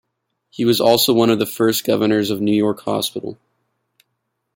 He was also one of the first governors of New York Hospital.